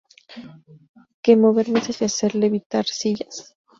¿que mover mesas y hacer levitar sillas?